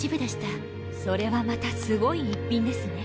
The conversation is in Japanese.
それはまたすごい一品ですね。